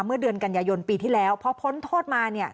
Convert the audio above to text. เมื่อเดือนกันยายนปีที่แล้วพอพ้นโทษมาเนี่ย